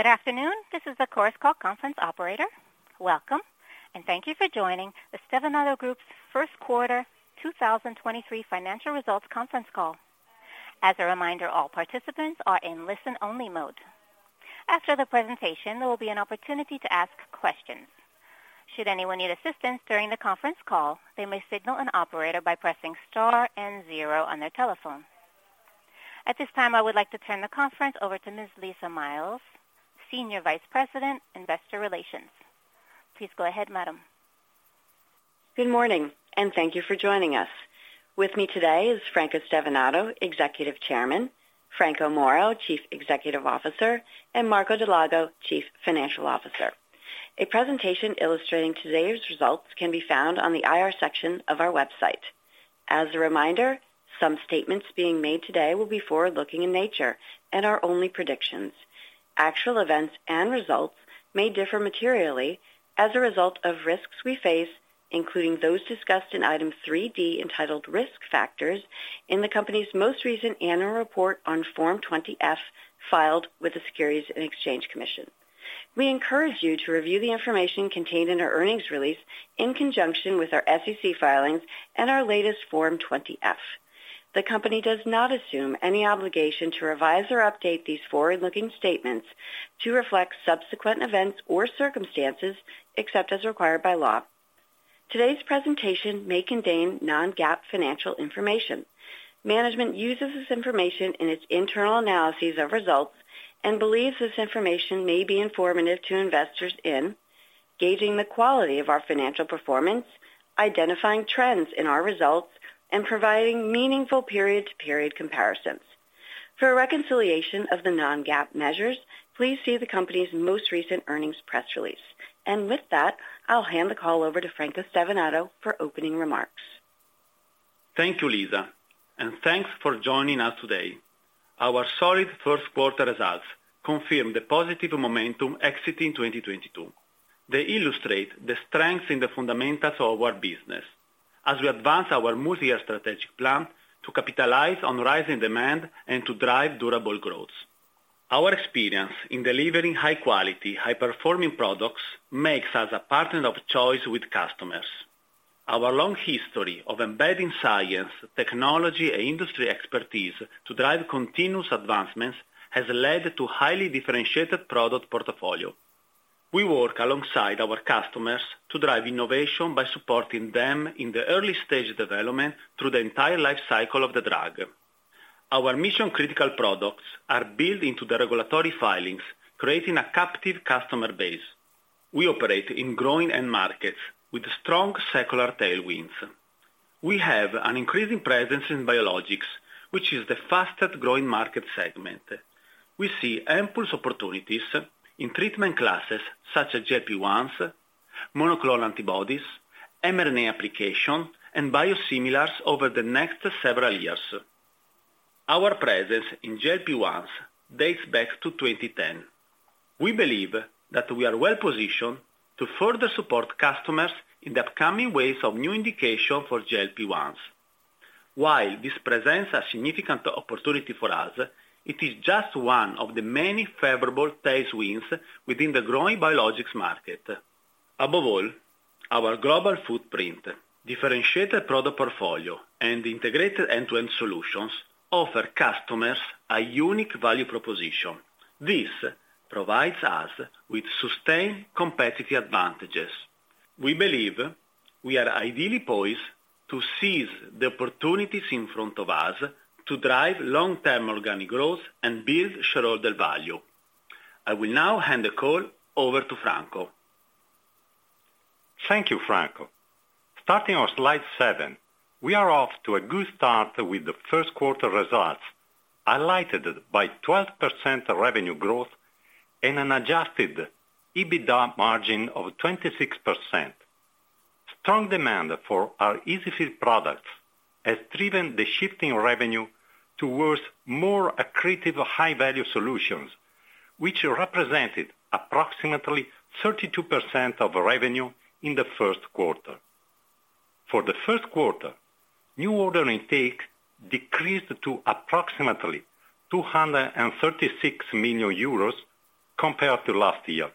Good afternoon. This is the Chorus Call conference operator. Welcome. Thank you for joining the Stevanato Group's first quarter 2023 financial results conference call. As a reminder, all participants are in listen-only mode. After the presentation, there will be an opportunity to ask questions. Should anyone need assistance during the conference call, they may signal an operator by pressing star and zero on their telephone. At this time, I would like to turn the conference over to Ms. Lisa Miles, Senior Vice President, Investor Relations. Please go ahead, madam. Good morning. Thank you for joining us. With me today is Franco Stevanato, Executive Chairman, Franco Moro, Chief Executive Officer, and Marco Dal Lago, Chief Financial Officer. A presentation illustrating today's results can be found on the IR section of our website. As a reminder, some statements being made today will be forward-looking in nature and are only predictions. Actual events and results may differ materially as a result of risks we face, including those discussed in item 3D, entitled Risk Factors, in the company's most recent annual report on Form 20-F, filed with the Securities and Exchange Commission. We encourage you to review the information contained in our earnings release in conjunction with our SEC filings and our latest Form 20-F. The company does not assume any obligation to revise or update these forward-looking statements to reflect subsequent events or circumstances except as required by law. Today's presentation may contain Non-GAAP financial information. Management uses this information in its internal analyses of results and believes this information may be informative to investors in gauging the quality of our financial performance, identifying trends in our results, and providing meaningful period-to-period comparisons. For a reconciliation of the Non-GAAP measures, please see the company's most recent earnings press release. With that, I'll hand the call over to Franco Stevanato for opening remarks. Thank you, Lisa, and thanks for joining us today. Our solid first quarter results confirm the positive momentum exiting 2022. They illustrate the strength in the fundamentals of our business as we advance our multi-year strategic plan to capitalize on rising demand and to drive durable growth. Our experience in delivering high quality, high-performing products makes us a partner of choice with customers. Our long history of embedding science, technology, and industry expertise to drive continuous advancements has led to highly differentiated product portfolio. We work alongside our customers to drive innovation by supporting them in the early stage development through the entire lifecycle of the drug. Our mission-critical products are built into the regulatory filings, creating a captive customer base. We operate in growing end markets with strong secular tailwinds. We have an increasing presence in biologics, which is the fastest-growing market segment. We see ample opportunities in treatment classes such as GLP-1s, monoclonal antibodies, mRNA application, and biosimilars over the next several years. Our presence in GLP-1s dates back to 2010. We believe that we are well-positioned to further support customers in the upcoming waves of new indication for GLP-1s. While this presents a significant opportunity for us, it is just one of the many favorable tailwinds within the growing biologics market. Our global footprint, differentiated product portfolio, and integrated end-to-end solutions offer customers a unique value proposition. This provides us with sustained competitive advantages. We believe we are ideally poised to seize the opportunities in front of us to drive long-term organic growth and build shareholder value. I will now hand the call over to Franco. Thank you, Franco. Starting on slide seven, we are off to a good start with the first quarter results, highlighted by 12% revenue growth and an Adjusted EBITDA margin of 26%. Strong demand for our EasyFill products has driven the shift in revenue towards more accretive high-value solutions, which represented approximately 32% of revenue in the first quarter. For the first quarter, new order intake decreased to approximately 236 million euros compared to last year.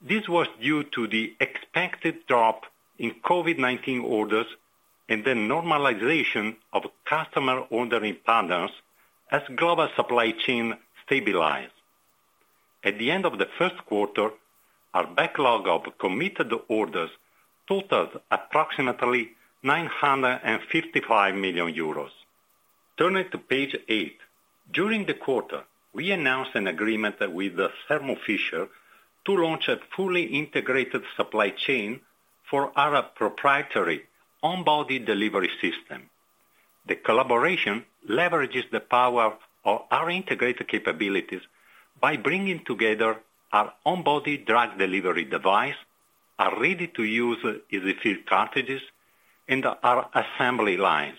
This was due to the expected drop in COVID-19 orders and the normalization of customer ordering patterns as global supply chain stabilized. At the end of the first quarter, our backlog of committed orders totaled approximately 955 million euros. Turning to page eight. During the quarter, we announced an agreement with Thermo Fisher to launch a fully integrated supply chain for our proprietary on-body delivery system. The collaboration leverages the power of our integrated capabilities by bringing together our on-body delivery system, our ready-to-use EasyFill cartridges, and our assembly lines.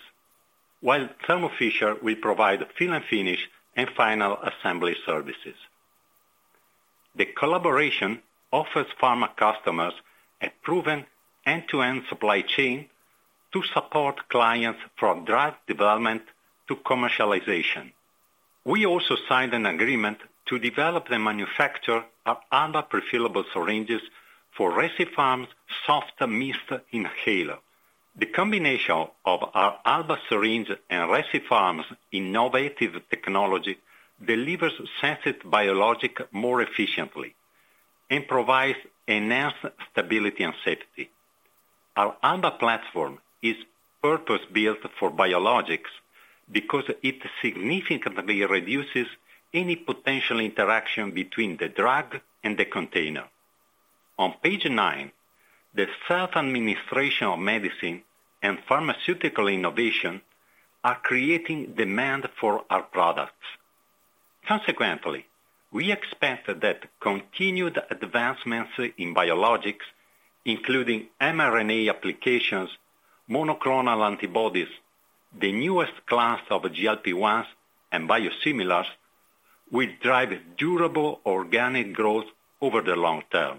Thermo Fisher Scientific will provide fill and finish and final assembly services. The collaboration offers pharma customers a proven end-to-end supply chain to support clients from drug development to commercialization. We also signed an agreement to develop and manufacture our Alba prefillable syringes for Recipharm's Soft Mist Inhaler. The combination of our Alba syringe and Recipharm's innovative technology delivers sensitive biologic more efficiently and provides enhanced stability and safety. Our Alba platform is purpose-built for biologics because it significantly reduces any potential interaction between the drug and the container. On page nine, the self-administration of medicine and pharmaceutical innovation are creating demand for our products. Consequently, we expect that continued advancements in biologics, including mRNA applications, monoclonal antibodies, the newest class of GLP-1s and biosimilars, will drive durable organic growth over the long term.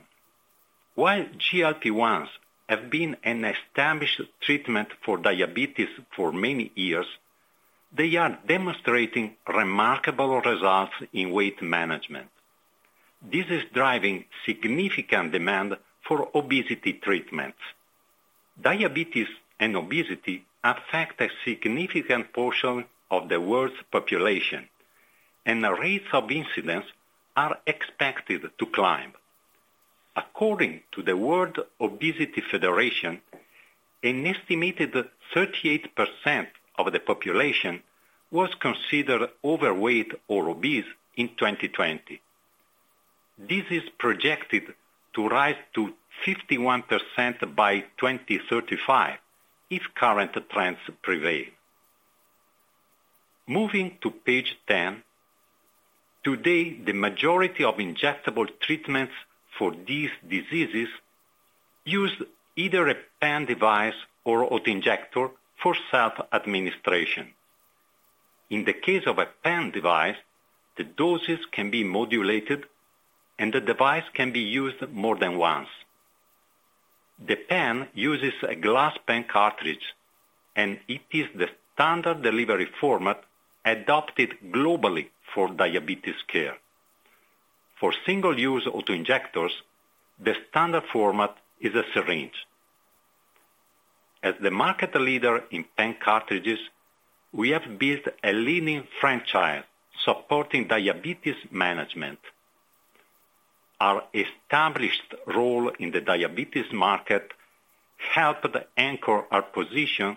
While GLP-1s have been an established treatment for diabetes for many years, they are demonstrating remarkable results in weight management. This is driving significant demand for obesity treatments. Diabetes and obesity affect a significant portion of the world's population, and the rates of incidence are expected to climb. According to the World Obesity Federation, an estimated 38% of the population was considered overweight or obese in 2020. This is projected to rise to 51% by 2035 if current trends prevail. Moving to Page 10. Today, the majority of injectable treatments for these diseases use either a pen device or autoinjector for self-administration. In the case of a pen device, the doses can be modulated and the device can be used more than once. The pen uses a glass pen cartridge, and it is the standard delivery format adopted globally for diabetes care. For single-use autoinjectors, the standard format is a syringe. As the market leader in pen cartridges, we have built a leading franchise supporting diabetes management. Our established role in the diabetes market helped anchor our position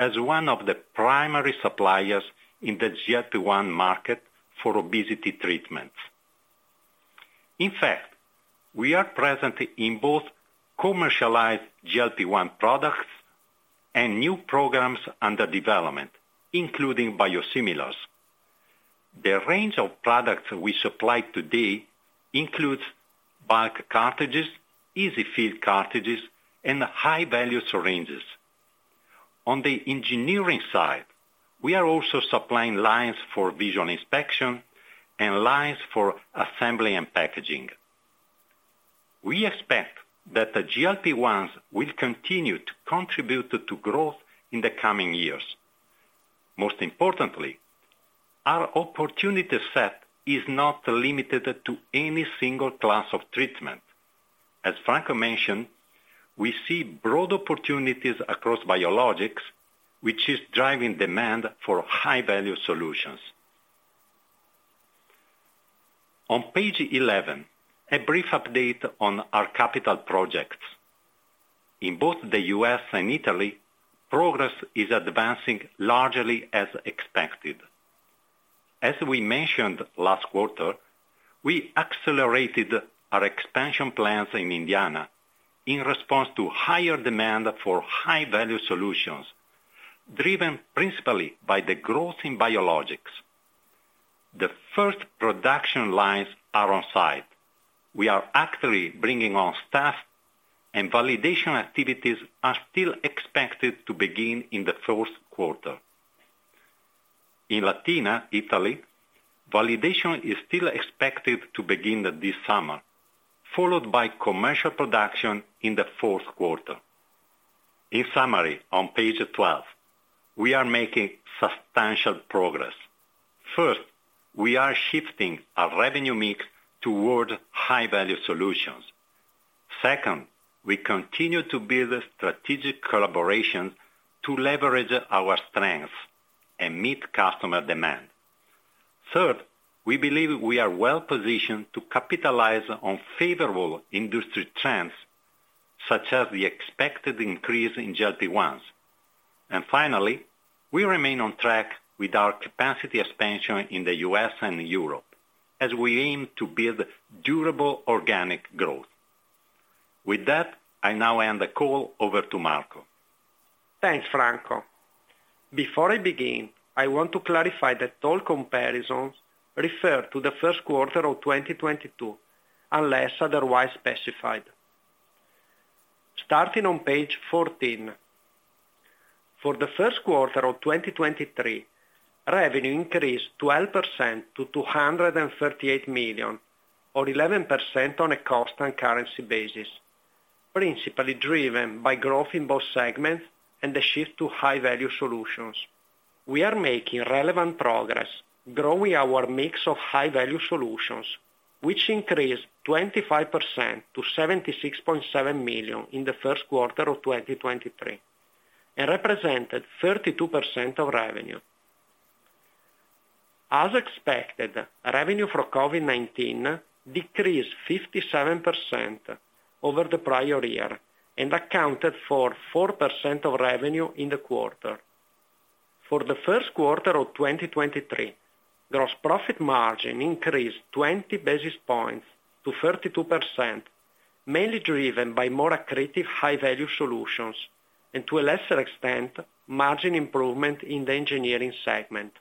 as one of the primary suppliers in the GLP-1 market for obesity treatments. In fact, we are present in both commercialized GLP-1 products and new programs under development, including biosimilars. The range of products we supply today includes bulk cartridges, EasyFill cartridges, and high-value syringes. On the engineering side, we are also supplying lines for visual inspection and lines for assembly and packaging. We expect that the GLP-1s will continue to contribute to growth in the coming years. Most importantly, our opportunity set is not limited to any single class of treatment. As Franco mentioned, we see broad opportunities across biologics, which is driving demand for high-value solutions. On Page 11, a brief update on our capital projects. In both the U.S. and Italy, progress is advancing largely as expected. As we mentioned last quarter, we accelerated our expansion plans in Indiana in response to higher demand for high-value solutions, driven principally by the growth in biologics. The first production lines are on-site. We are actively bringing on staff, and validation activities are still expected to begin in the fourth quarter. In Latina, Italy, validation is still expected to begin this summer, followed by commercial production in the fourth quarter. In summary, on Page 12, we are making substantial progress. First, we are shifting our revenue mix toward high-value solutions. Second, we continue to build strategic collaborations to leverage our strengths and meet customer demand. Third, we believe we are well-positioned to capitalize on favorable industry trends, such as the expected increase in GLP-1s. Finally, we remain on track with our capacity expansion in the U.S. and Europe as we aim to build durable organic growth. With that, I now hand the call over to Marco. Thanks, Franco. Before I begin, I want to clarify that all comparisons refer to the first quarter of 2022, unless otherwise specified. Starting on Page 14. For the first quarter of 2023, revenue increased 12% to 238 million or 11% on a cost and currency basis, principally driven by growth in both segments and the shift to high value solutions. We are making relevant progress growing our mix of high value solutions, which increased 25% to 76.7 million in the first quarter of 2023, and represented 32% of revenue. As expected, revenue from COVID-19 decreased 57% over the prior year and accounted for 4% of revenue in the quarter. For the first quarter of 2023, gross profit margin increased 20 basis points to 32%, mainly driven by more accretive high-value solutions and to a lesser extent, margin improvement in the engineering segment.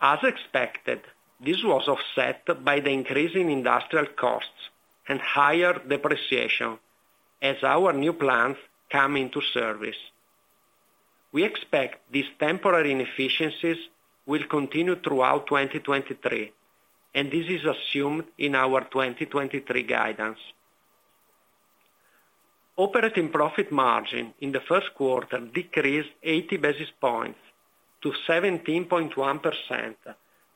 As expected, this was offset by the increase in industrial costs and higher depreciation as our new plants come into service. We expect these temporary inefficiencies will continue throughout 2023, and this is assumed in our 2023 guidance. Operating profit margin in the first quarter decreased 80 basis points to 17.1%,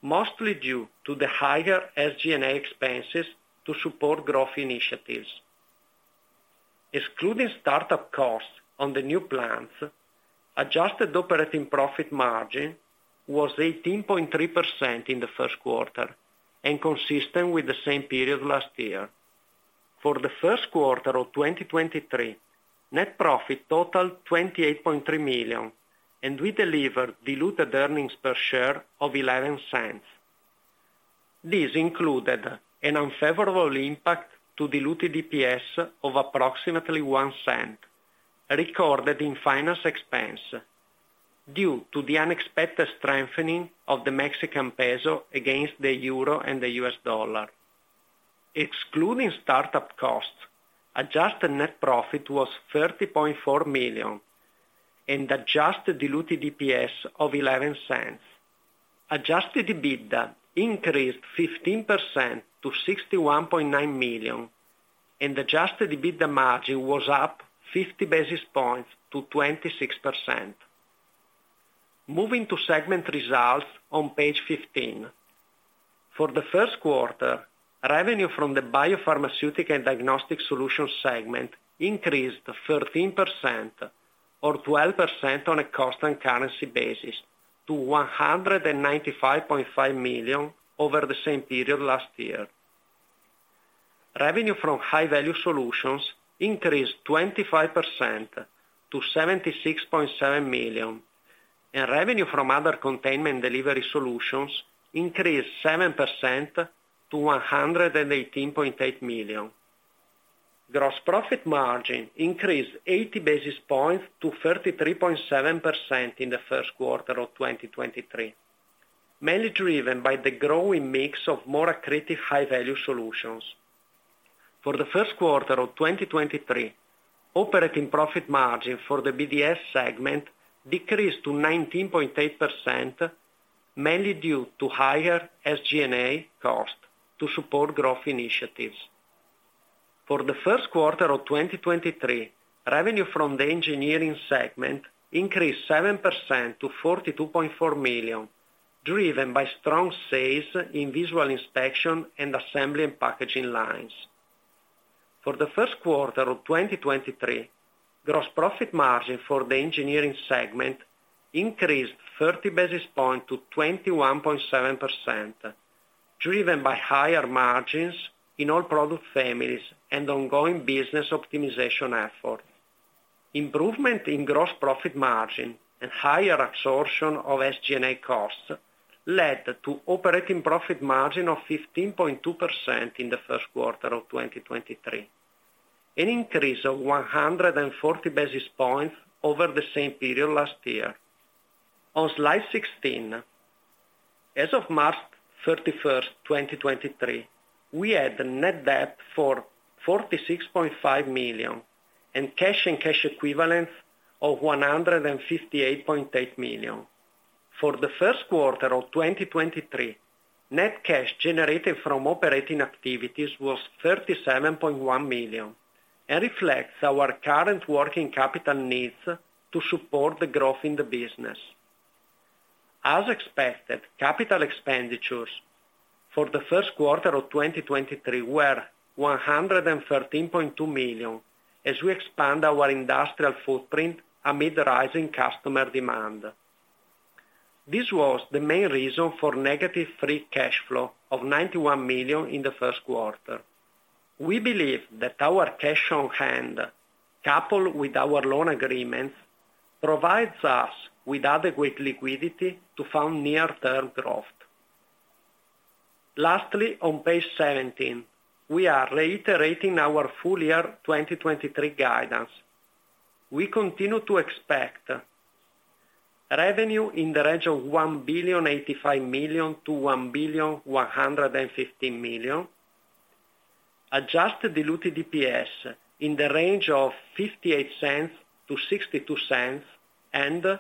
mostly due to the higher SG&A expenses to support growth initiatives. Excluding startup costs on the new plants, Adjusted operating profit margin was 18.3% in the first quarter and consistent with the same period last year. For the first quarter of 2023, net profit totaled 28.3 million, and we delivered diluted earnings per share of 0.11. This included an unfavorable impact to diluted EPS of approximately 0.01 recorded in finance expense due to the unexpected strengthening of the Mexican peso against the euro and the US dollar. Excluding startup costs, adjusted net profit was 30.4 million and adjusted diluted EPS of 0.11. Adjusted EBITDA increased 15% to 61.9 million, and Adjusted EBITDA margin was up 50 basis points to 26%. Moving to segment results on Page 15. For the first quarter, revenue from the Biopharmaceutical and Diagnostic Solutions segment increased 13% or 12% on a cost and currency basis to 195.5 million over the same period last year. Revenue from high-value solutions increased 25% to 76.7 million, and revenue from other containment and delivery solutions increased 7% to 118.8 million. Gross profit margin increased 80 basis points to 33.7% in the first quarter of 2023, mainly driven by the growing mix of more accretive high-value solutions. For the first quarter of 2023, operating profit margin for the BDS segment decreased to 19.8%, mainly due to higher SG&A costs to support growth initiatives. For the first quarter of 2023, revenue from the engineering segment increased 7% to 42.4 million, driven by strong sales in visual inspection and assembly and packaging lines. For the first quarter of 2023, gross profit margin for the engineering segment increased 30 basis point to 21.7%, driven by higher margins in all product families and ongoing business optimization efforts. Improvement in gross profit margin and higher absorption of SG&A costs led to operating profit margin of 15.2% in the first quarter of 2023, an increase of 140 basis points over the same period last year. On Slide 16, as of March 31st, 2023, we had a net debt for 46.5 million and cash and cash equivalents of 158.8 million. For the first quarter of 2023, net cash generated from operating activities was 37.1 million and reflects our current working capital needs to support the growth in the business. As expected, capital expenditures for the first quarter of 2023 were 113.2 million as we expand our industrial footprint amid rising customer demand. This was the main reason for negative free cash flow of 91 million in the first quarter. We believe that our cash on hand, coupled with our loan agreements, provides us with adequate liquidity to fund near-term growth. Lastly, on Page 17, we are reiterating our full year 2023 guidance. We continue to expect revenue in the range of 1,085 million-1,115 million. Adjusted diluted EPS in the range of 0.58-0.62 and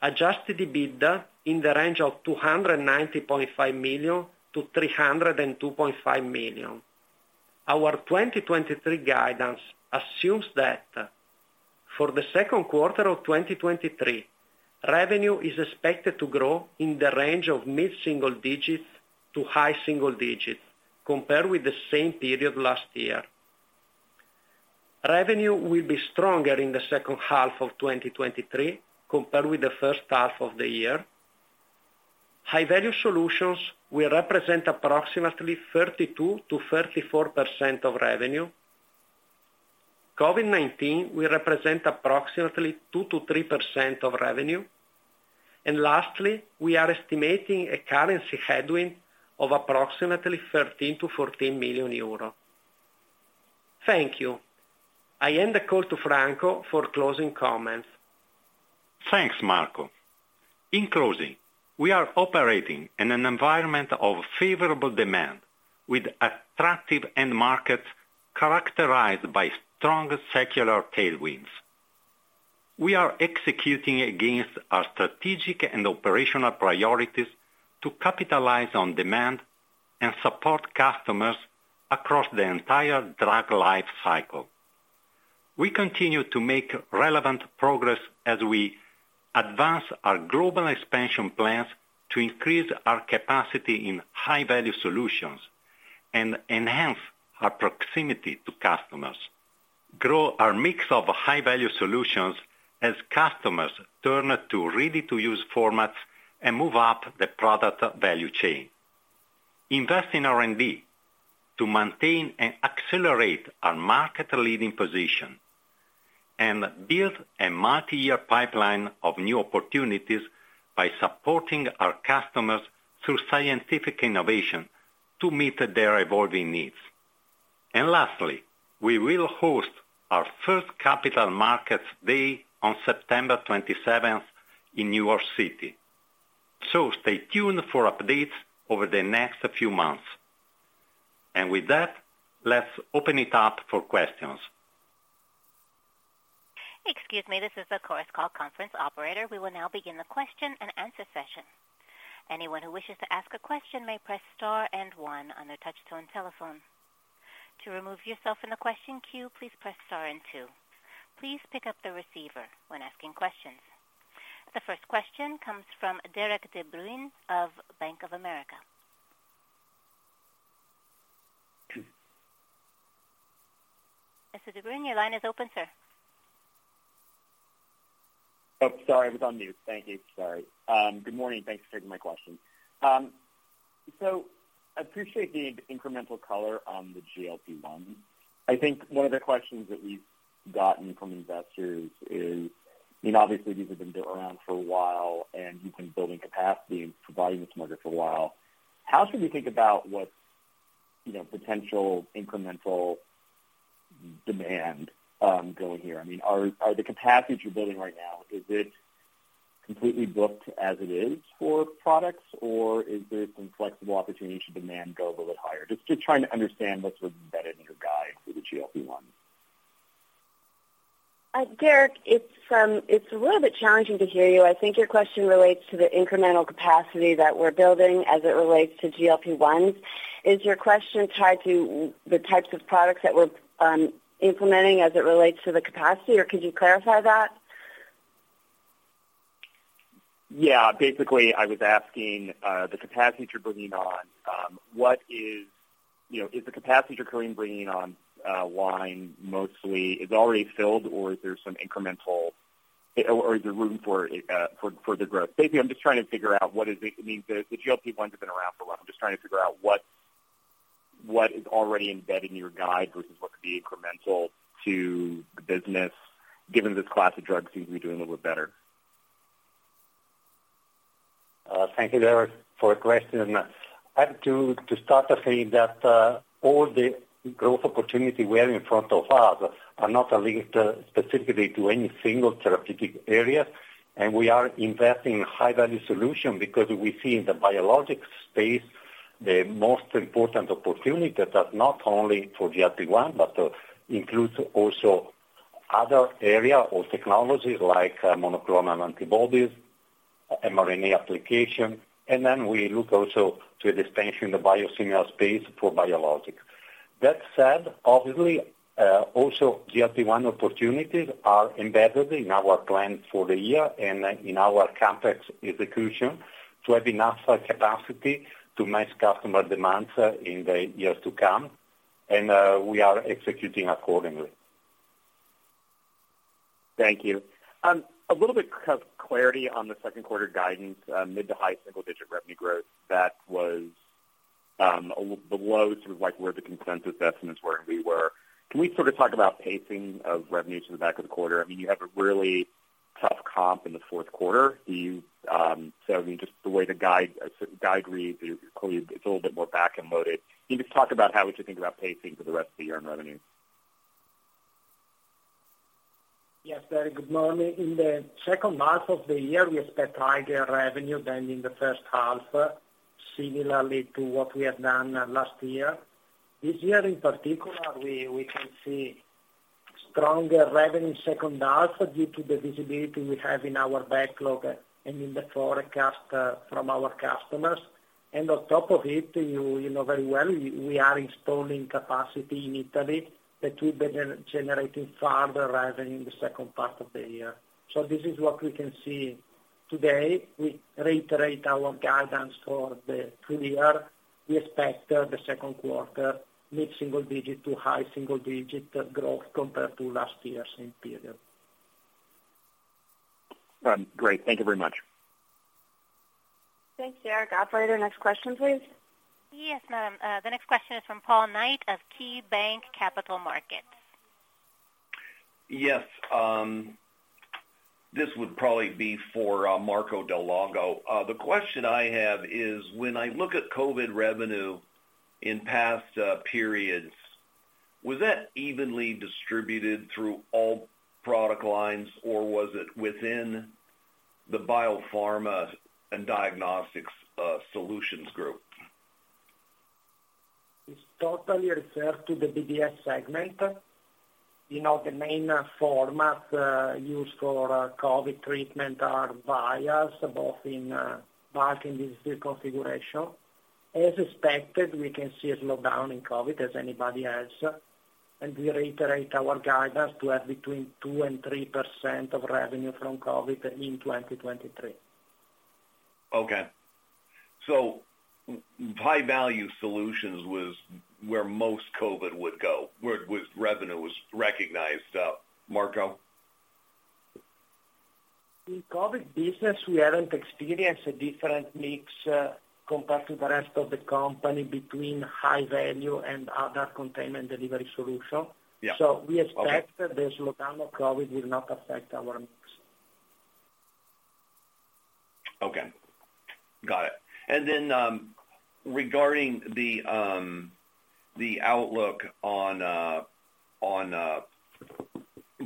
Adjusted EBITDA in the range of 290.5 million-302.5 million. Our 2023 guidance assumes that for the second quarter of 2023, revenue is expected to grow in the range of mid-single digits to high single digits compared with the same period last year. Revenue will be stronger in the second half of 2023 compared with the first half of the year. High-value solutions will represent approximately 32%-34% of revenue. COVID-19 will represent approximately 2%-3% of revenue. Lastly, we are estimating a currency headwind of approximately 13 million-14 million euro. Thank you. I end the call to Franco for closing comments. Thanks, Marco. In closing, we are operating in an environment of favorable demand with attractive end markets characterized by strong secular tailwinds. We are executing against our strategic and operational priorities to capitalize on demand and support customers across the entire drug life cycle. We continue to make relevant progress as we advance our global expansion plans to increase our capacity in high-value solutions and enhance our proximity to customers, grow our mix of high-value solutions as customers turn to ready-to-use formats and move up the product value chain, invest in R&D to maintain and accelerate our market leading position and build a multi-year pipeline of new opportunities by supporting our customers through scientific innovation to meet their evolving needs. Lastly, we will host our first Capital Markets Day on September 27th in New York City. Stay tuned for updates over the next few months. With that, let's open it up for questions. Excuse me. This is the Chorus Call conference operator. We will now begin the question and answer session. Anyone who wishes to ask a question may press star and one on their touch tone telephone. To remove yourself from the question queue, please press star and two. Please pick up the receiver when asking questions. The first question comes from Derik de Bruin of Bank of America. Mr. De Bruin, your line is open, sir. Oh, sorry, I was on mute. Thank you. Sorry. Good morning. Thanks for taking my question. I appreciate the incremental color on the GLP-1. I think one of the questions that we've gotten from investors is, I mean, obviously these have been around for a while, and you've been building capacity and providing this market for a while. How should we think about what's, you know, potential incremental demand going here? I mean, are the capacities you're building right now, is it completely booked as it is for products, or is there some flexible opportunity should demand go a little bit higher? Just trying to understand what's embedded in your guide for the GLP-1. Derik, it's a little bit challenging to hear you. I think your question relates to the incremental capacity that we're building as it relates to GLP-1. Is your question tied to the types of products that we're implementing as it relates to the capacity, or could you clarify that? Yeah. Basically, I was asking, the capacity you're bringing on. You know, is the capacity you're currently bringing on, line mostly is already filled, or is there some incremental? Or is there room for the growth? Basically, I'm just trying to figure out what is it? I mean, the GLP-1s have been around for a while. I'm just trying to figure out what is already embedded in your guide versus what could be incremental to the business given this class of drugs seems to be doing a little bit better. Thank you, Derik, for the question. I have to start to say that all the growth opportunity we have in front of us are not linked specifically to any single therapeutic area. We are investing in high-value solutions because we see in the biologic space the most important opportunity that not only for GLP-1, but includes also other area of technologies like monoclonal antibodies, mRNA application, and then we look also to expansion in the biosimilars space for biologics. That said, obviously, also GLP-1 opportunities are embedded in our plan for the year and in our complex execution to have enough capacity to match customer demands in the years to come. We are executing accordingly. Thank you. A little bit of clarity on the second quarter guidance, mid to high single digit revenue growth. That was below sort of like where the consensus estimates were and we were. Can we sort of talk about pacing of revenues for the back of the quarter? I mean, you have a really tough comp in the fourth quarter. Do you, so I mean, just the way the guide reads is clearly it's a little bit more back-end loaded. Can you just talk about how would you think about pacing for the rest of the year on revenue? Yes, very good morning. In the second half of the year, we expect higher revenue than in the first half, similarly to what we have done last year. This year, in particular, we can see stronger revenue second half due to the visibility we have in our backlog and in the forecast from our customers. On top of it, you know very well, we are installing capacity in Italy that will be generating farther revenue in the second part of the year. This is what we can see today. We reiterate our guidance for the full year. We expect the second quarter mid-single digit to high single digit growth compared to last year's same period. Great. Thank you very much. Thanks, Eric. Operator, next question, please. Yes, ma'am. The next question is from Paul Knight of KeyBanc Capital Markets. Yes. This would probably be for Marco Dal Lago. The question I have is when I look at COVID revenue in past periods, was that evenly distributed through all product lines, or was it within the Biopharma and Diagnostics Solutions group? It's totally reserved to the BDS segment. You know, the main format used for COVID treatment are vials, both in bulk and easy configuration. As expected, we can see a slowdown in COVID as anybody has. We reiterate our guidance to have between 2% and 3% of revenue from COVID in 2023. Okay. high-value solutions was where most COVID would go, where revenue was recognized, Marco? In COVID business, we haven't experienced a different mix, compared to the rest of the company between high-value and other containment delivery solution. Yeah. we expect- Okay. The slowdown of COVID will not affect our mix. Okay. Got it. Regarding the outlook on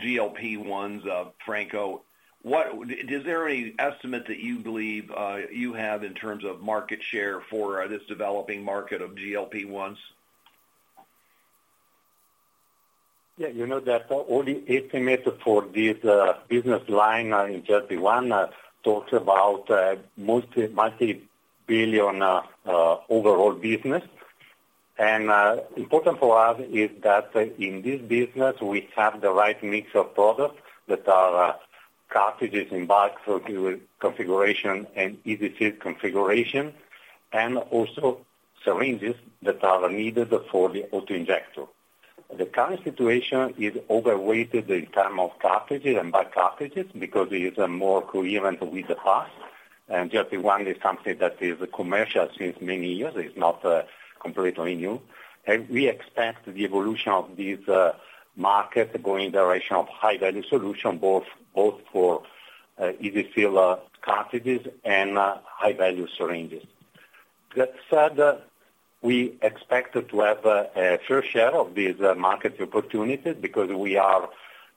GLP-1s, Franco, is there any estimate that you believe you have in terms of market share for this developing market of GLP-1s? Yeah, you know that all the estimates for this business line in GLP-1 talks about multi-billion overall business. Important for us is that in this business, we have the right mix of products that are cartridges in bulk for configuration and EasyFill configuration, and also syringes that are needed for the auto-injector. The current situation is overweighted in term of cartridges and bulk cartridges because it is more coherent with the past. GLP-1 is something that is commercial since many years. It's not completely new. We expect the evolution of this market going in the direction of high-value solution, both for EasyFill cartridges and high-value syringes. That said, we expect to have a fair share of these market opportunities because we are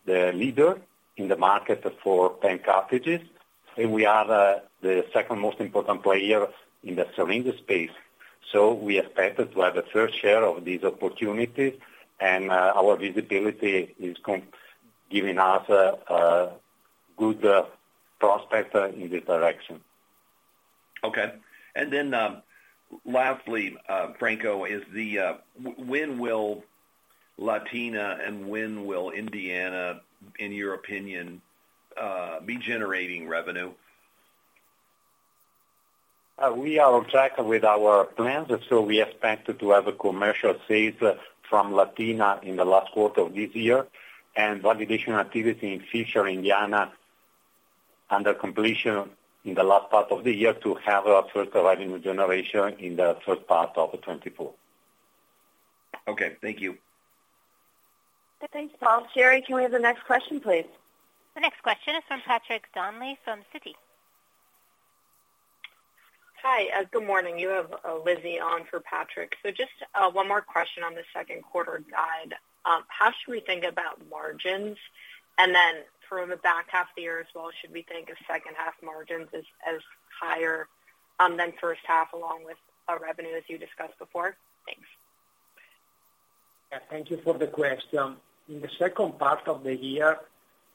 the leader in the market for pen cartridges, and we are the second most important player in the syringe space. We expect to have a fair share of these opportunities, and our visibility is giving us a good prospect in this direction. Okay. Lastly, Franco, when will Latina and when will Indiana, in your opinion, be generating revenue? We are on track with our plans, we expect to have a commercial sales from Latina in the last quarter of this year and validation activity in Fishers, Indiana, under completion in the last part of the year to have our first revenue generation in the first part of 2024. Okay, thank you. Thanks, Paul. Jerry, can we have the next question, please? The next question is from Patrick Donnelly from Citi. Hi, good morning. You have Lizzie on for Patrick. Just one more question on the second quarter guide. How should we think about margins? Then for the back half of the year as well, should we think of second half margins as higher than first half, along with revenue as you discussed before? Thanks. Yeah, thank you for the question. In the second part of the year,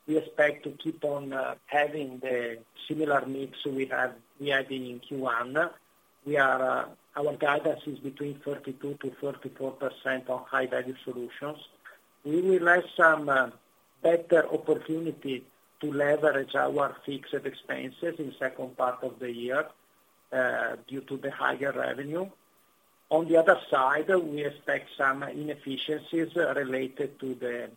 we expect to keep on having the similar mix we had in Q1. Our guidance is between 42%-44% on high-value solutions. We will have some better opportunity to leverage our fixed expenses in second part of the year due to the higher revenue. On the other side, we expect some inefficiencies related to the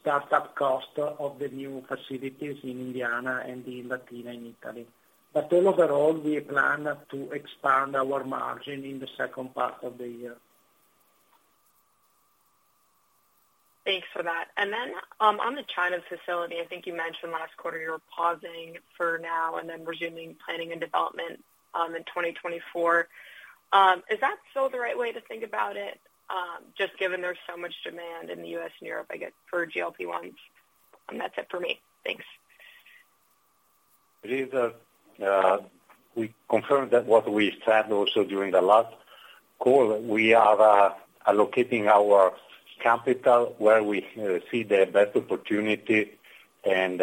startup cost of the new facilities in Indiana and in Latina, in Italy. All overall, we plan to expand our margin in the second part of the year. Thanks for that. On the China facility, I think you mentioned last quarter you were pausing for now and then resuming planning and development in 2024. Is that still the right way to think about it? Just given there's so much demand in the US and Europe, I get for GLP-1s. That's it for me. Thanks. It is, we confirm that what we said also during the last call, we are allocating our capital where we see the best opportunity and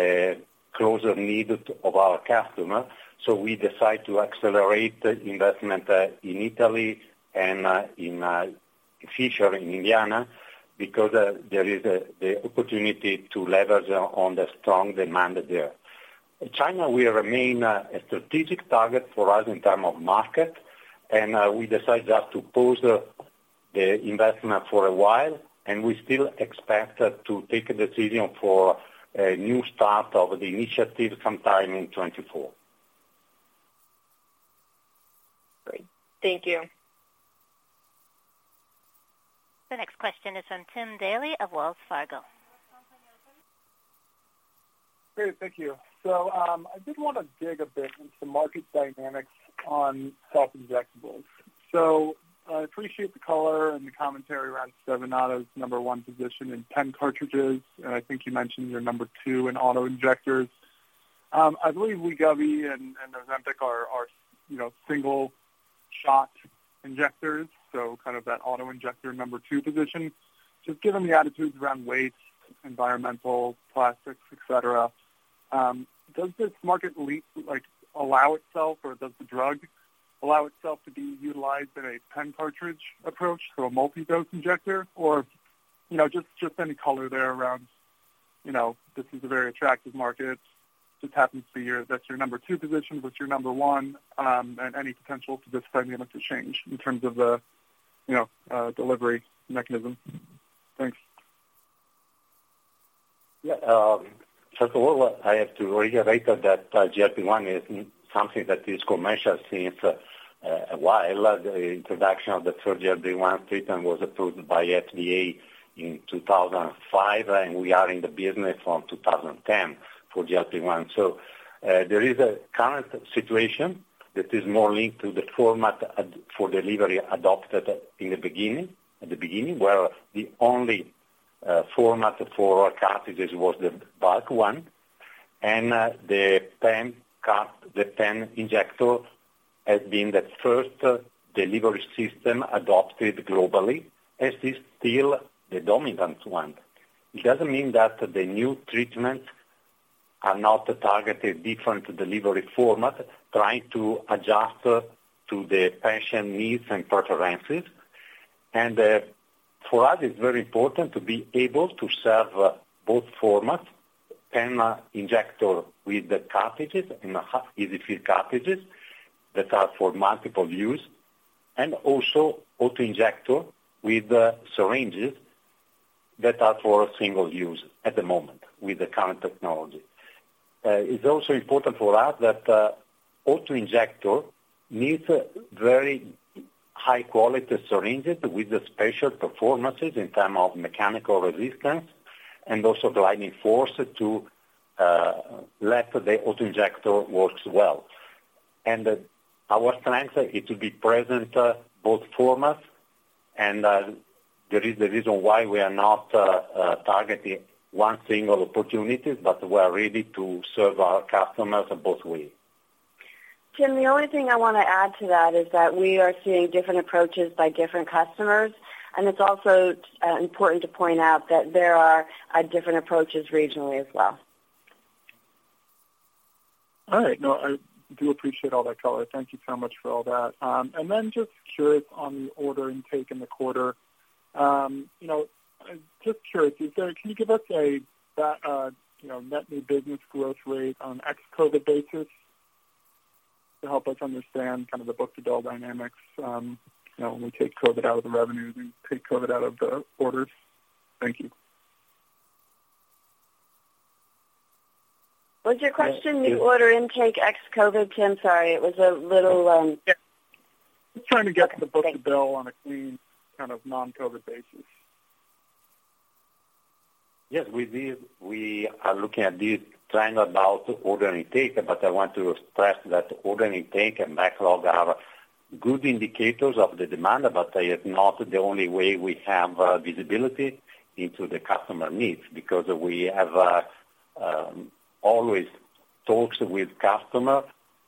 closer needs of our customer. We decide to accelerate investment in Italy and in Fishers, Indiana because there is the opportunity to leverage on the strong demand there. China will remain a strategic target for us in term of market, and we decided just to pause the investment for a while, and we still expect to take a decision for a new start of the initiative sometime in 2024. Great. Thank you. The next question is from Timothy Daley of Wells Fargo. Great. Thank you. I did want to dig a bit into market dynamics on self-injectables. I appreciate the color and the commentary around Stevanato's number one position in pen cartridges, and I think you mentioned you're number two in auto-injectors. I believe Wegovy and Ozempic are, you know, single shot injectors, so kind of that auto-injector number two position. Just given the attitudes around waste, environmental, plastics, et cetera, does this market allow itself, or does the drug allow itself to be utilized in a pen cartridge approach, so a multi-dose injector? You know, just any color there around, you know, this is a very attractive market. That's your number two position. What's your number one? Any potential for this dynamic to change in terms of the, you know, delivery mechanism? Thanks. First of all, I have to reiterate that GLP-1 is something that is commercial since a while. The introduction of the third GLP-1 treatment was approved by FDA in 2005. We are in the business from 2010 for GLP-1. There is a current situation that is more linked to the format for delivery adopted in the beginning. At the beginning, where the only format for cartridges was the bulk one, and the pen injector has been the first delivery system adopted globally, and is still the dominant one. It doesn't mean that the new treatments are not targeted different delivery format, trying to adjust to the patient needs and preferences. For us, it's very important to be able to serve both formats, pen injector with the cartridges and EasyFill cartridges that are for multiple use, and also auto-injector with syringes that are for single use at the moment with the current technology. It's also important for us that auto-injector needs very high quality syringes with the special performances in terms of mechanical resistance and also gliding force to let the auto-injector works well. Our strength is to be present both formats, there is the reason why we are not targeting one single opportunities, but we are ready to serve our customers both way. Tim, the only thing I wanna add to that is that we are seeing different approaches by different customers, and it's also important to point out that there are different approaches regionally as well. All right. No, I do appreciate all that color. Thank you so much for all that. Just curious on the order intake in the quarter. You know, just curious, can you give us a, you know, net new business growth rate on ex-COVID basis to help us understand kind of the book-to-bill dynamics, you know, when we take COVID out of the revenues and take COVID out of the orders? Thank you. Was your question new order intake ex-COVID, Tim? Sorry, it was a little. Yeah. Just trying to get to the book-to-bill on a clean, kind of non-COVID basis. We did. We are looking at this trend about order intake, but I want to stress that order intake and backlog are good indicators of the demand, but they are not the only way we have visibility into the customer needs. We have always talks with customer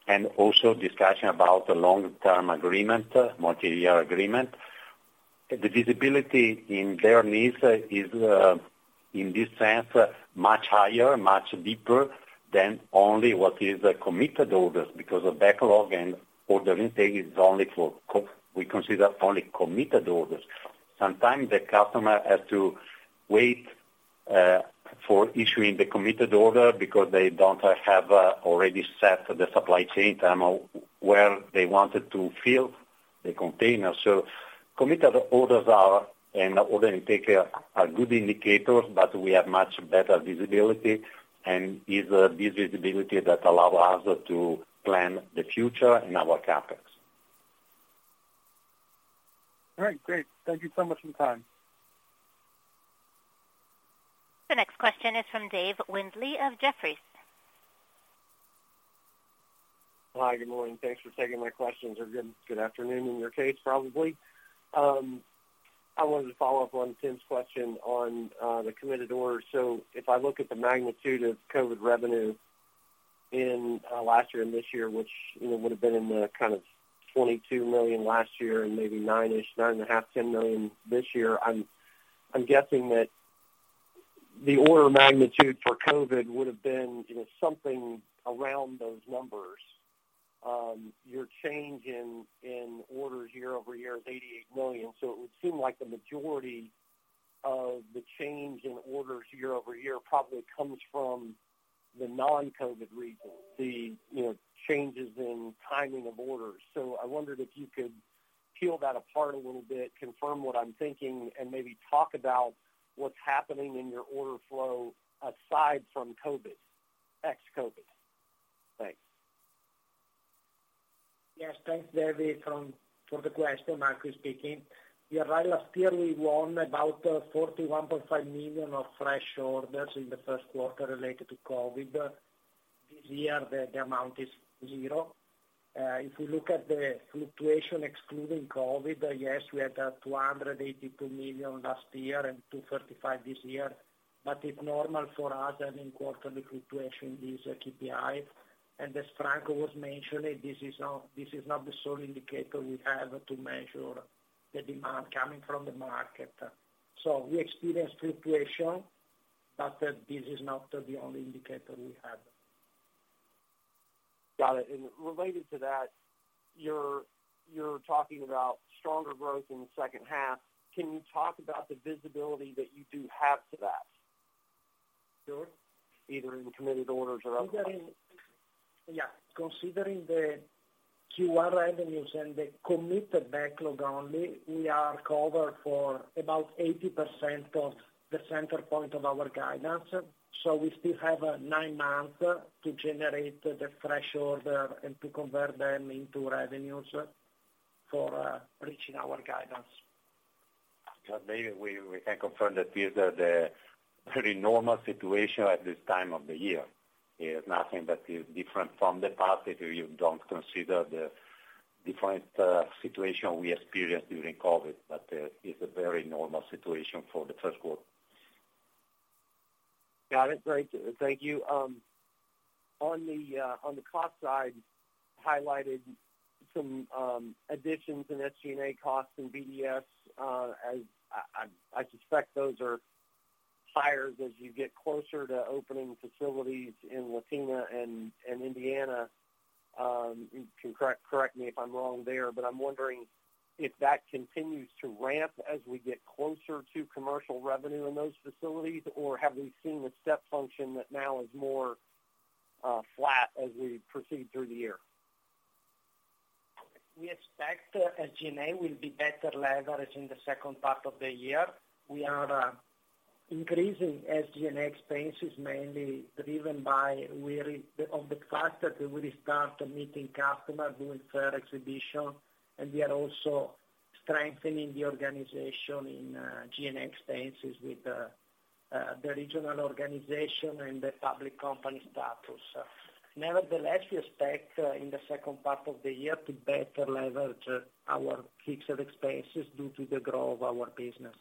and also discussion about the long-term agreement, multi-year agreement. The visibility in their needs is in this sense much higher, much deeper than only what is committed orders, because the backlog and order intake is only for we consider only committed orders. Sometimes the customer has to wait for issuing the committed order because they don't have already set the supply chain term of where they wanted to fill the container. Committed orders are, and order intake, are good indicators, but we have much better visibility, and is this visibility that allow us to plan the future and our CapEx. All right. Great. Thank you so much for the time. The next question is from David Windley of Jefferies. Hi, good morning. Thanks for taking my questions. Good, good afternoon in your case, probably. I wanted to follow up on Tim's question on the committed orders. If I look at the magnitude of COVID revenue in last year and this year, which, you know, would've been in the kind of 22 million last year and maybe nine-ish, 9.5 million, 10 million this year, I'm guessing that the order magnitude for COVID would've been, you know, something around those numbers. Your change in orders year-over-year is 88 million. It would seem like the majority of the change in orders year-over-year probably comes from the non-COVID reasons, the, you know, changes in timing of orders. I wondered if you could peel that apart a little bit, confirm what I'm thinking, and maybe talk about what's happening in your order flow aside from COVID, ex-COVID. Thanks. Yes, thanks, David, from, for the question. Marco speaking. Yeah, right, last year we won about 41.5 million of fresh orders in the first quarter related to COVID. This year, the amount is 0. If you look at the fluctuation excluding COVID, yes, we had 282 million last year and 235 million this year. It's normal for us, I mean, quarterly fluctuation is a KPI. As Franco was mentioning, this is not the sole indicator we have to measure the demand coming from the market. We experienced fluctuation, but this is not the only indicator we have. Got it. Related to that, you're talking about stronger growth in the second half. Can you talk about the visibility that you do have to that? Sure. Either in committed orders or otherwise. Considering the Q1 revenues and the committed backlog only, we are covered for about 80% of the center point of our guidance. We still have nine months to generate the fresh order and to convert them into revenues for reaching our guidance. Dave, we can confirm that these are the pretty normal situation at this time of the year. It is nothing that is different from the past, if you don't consider the different situation we experienced during COVID, but it's a very normal situation for the first quarter. Got it. Great. Thank you. On the cost side, highlighted some additions in SG&A costs and BDS, as I suspect those are higher as you get closer to opening facilities in Latina and Indiana. You can correct me if I'm wrong there, but I'm wondering if that continues to ramp as we get closer to commercial revenue in those facilities, or have we seen a step function that now is more flat as we proceed through the year? We expect SG&A will be better leverage in the second part of the year. We are increasing SG&A expenses mainly driven by on the fact that we restart meeting customers with fair exhibition, and we are also strengthening the organization in G&A expenses with the regional organization and the public company status. Nevertheless, we expect in the second part of the year to better leverage our fixed expenses due to the growth of our business.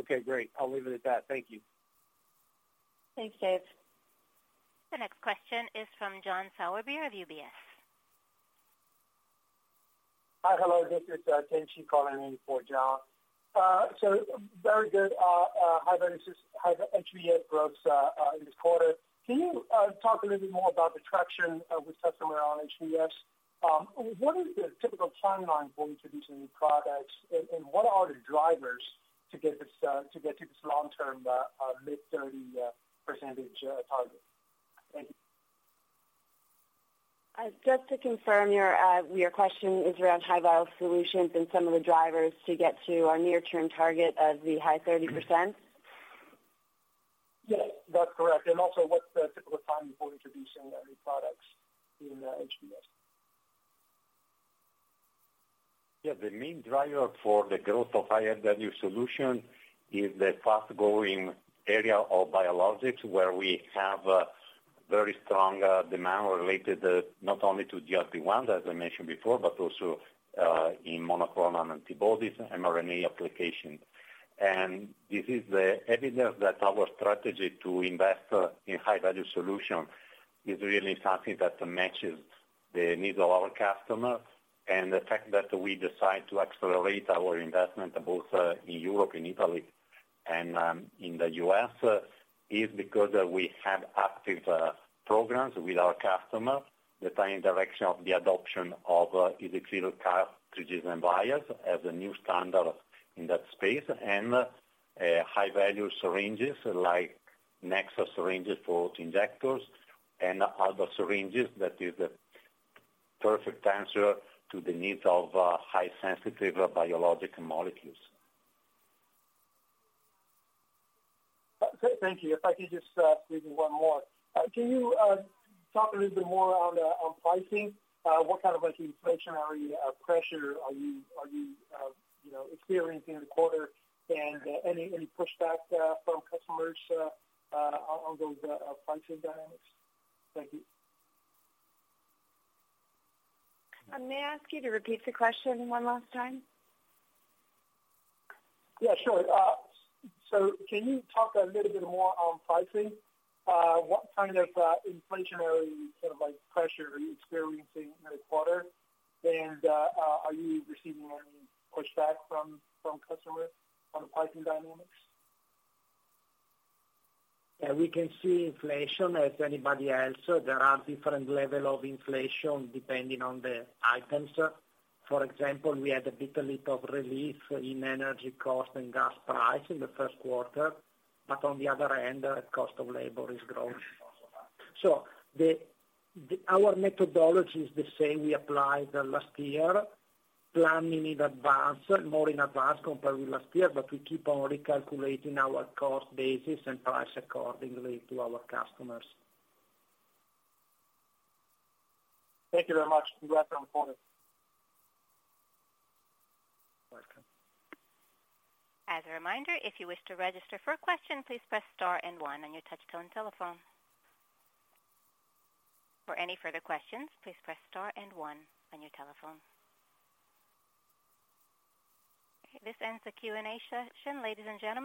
Okay, great. I'll leave it at that. Thank you. Thanks, Dave. The next question is from John Sourbeer of UBS. Hi. Hello. This is Teni calling in for John. Very good high HVS growth this quarter. Can you talk a little bit more about the traction we've seen around HVS? What is the typical timeline for introducing new products, and what are the drivers to get to this long-term mid-30% target? Thank you. Just to confirm, your question is around high-value solutions and some of the drivers to get to our near-term target of the high 30%? Yes, that's correct. Also what's the typical timing for introducing any products in HVS? The main driver for the growth of high-value solution is the fast growing area of biologics, where we have very strong demand related not only to GLP-1, as I mentioned before, but also in monoclonal antibodies and mRNA applications. This is the evidence that our strategy to invest in high-value solution is really something that matches the needs of our customers. The fact that we decide to accelerate our investment both in Europe, in Italy and in the US is because we have active programs with our customers that are in direction of the adoption of either clear cast devices and vials as a new standard in that space, and high-value syringes like Nexus syringes for injectors and other syringes that is the perfect answer to the needs of high sensitive biologic molecules. Thank you. If I could just, maybe one more. Can you talk a little bit more on pricing? What kind of, like, inflationary pressure are you know, experiencing in the quarter? Any pushback from customers on those pricing dynamics? Thank you. May I ask you to repeat the question one last time? Sure. Can you talk a little bit more on pricing? What kind of inflationary sort of like pressure are you experiencing in the quarter? Are you receiving any pushback from customers on the pricing dynamics? Yeah, we can see inflation as anybody else. There are different level of inflation depending on the items. For example, we had a bit little of relief in energy cost and gas price in the first quarter, but on the other hand, the cost of labor is growing. Our methodology is the same we applied last year, planning in advance, more in advance compared with last year, but we keep on recalculating our cost basis and price accordingly to our customers. Thank you very much. Congrats on the quarter. Welcome. As a reminder, if you wish to register for a question, please press star and one on your touchtone telephone. For any further questions, please press star and one on your telephone. Okay, this ends the Q&A session. Ladies and gentlemen.